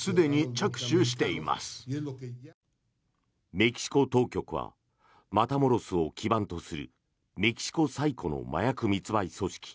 メキシコ当局はマタモロスを基盤とするメキシコ最古の麻薬密売組織